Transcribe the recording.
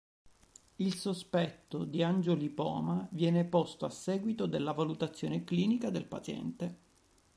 Il sospetto di angiolipoma viene posto a seguito della valutazione clinica del paziente.